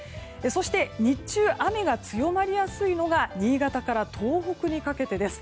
そして、日中雨が強まりやすいのが新潟から東北にかけてです。